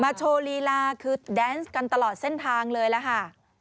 โชว์ลีลาคือแดนส์กันตลอดเส้นทางเลยล่ะค่ะ